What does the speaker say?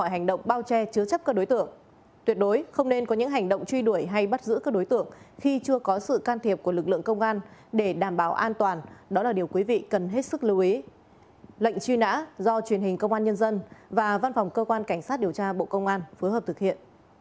hãy đăng ký kênh để ủng hộ kênh của chúng mình nhé